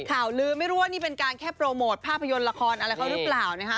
ข่าวลืมไม่รู้ว่านี่เป็นการแค่โปรโมทภาพยนตร์ละครอะไรเขาหรือเปล่านะคะ